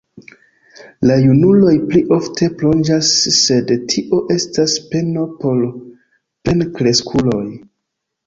La junuloj pli ofte plonĝas, sed tio estas peno por plenkreskuloj.